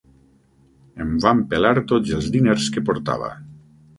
Em van pelar tots els diners que portava.